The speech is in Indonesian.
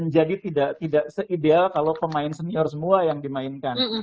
jadi tidak se ideal kalau pemain senior semua yang dimainkan